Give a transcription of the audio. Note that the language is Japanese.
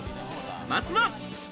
まずは。